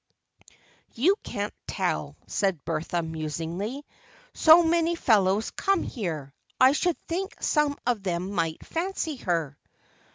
"You can't tell," said Bertha musingly. "So many fellows come here! I should think some of them might fancy her."